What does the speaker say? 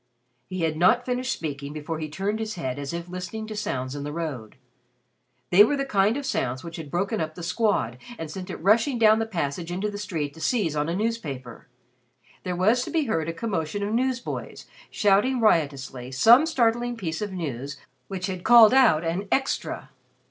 He had not finished speaking before he turned his head as if listening to sounds in the road. They were the kind of sounds which had broken up The Squad, and sent it rushing down the passage into the street to seize on a newspaper. There was to be heard a commotion of newsboys shouting riotously some startling piece of news which had called out an "Extra."